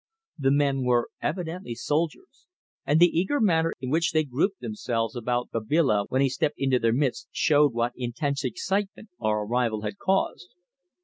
The men were evidently soldiers, and the eager manner in which they grouped themselves about Babila when he stepped into their midst, showed what intense excitement our arrival had caused.